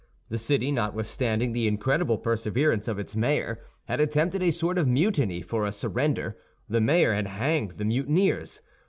The city, notwithstanding the incredible perseverance of its mayor, had attempted a sort of mutiny for a surrender; the mayor had hanged the mutineers.